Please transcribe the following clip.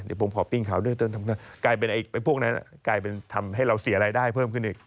เดี๋ยวผมพอปีนเขาด้วยกลายเป็นพวกนั้นกลายเป็นทำให้เราเสียอะไรได้เพิ่มขึ้นอีก